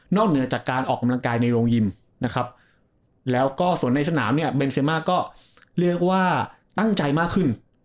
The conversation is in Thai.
เหนือจากการออกกำลังกายในโรงยิมนะครับแล้วก็ส่วนในสนามเนี่ยเบนเซมาก็เรียกว่าตั้งใจมากขึ้น